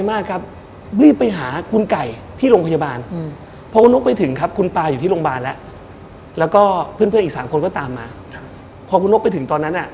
มีอาการมืนนิดนึง